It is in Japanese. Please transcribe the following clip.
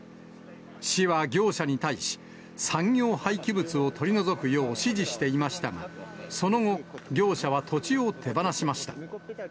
市は業者に対し、産業廃棄物を取り除くよう指示していましたが、その後、業者は土地を手放しました。